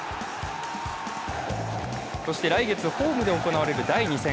そして来月、ホームで行われる第２戦。